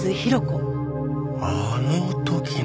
あの時の。